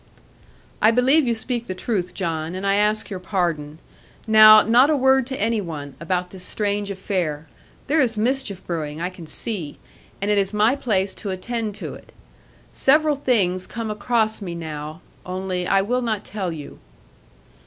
'I believe you speak the truth, John; and I ask your pardon. Now not a word to any one, about this strange affair. There is mischief brewing, I can see; and it is my place to attend to it. Several things come across me now only I will not tell you.'